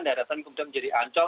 daratan kemudian menjadi ancol